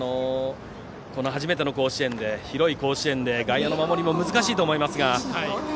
初めての甲子園広い甲子園で外野の守りも難しいと思いますが。